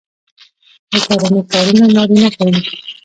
د کرنې کارونه نارینه کوي.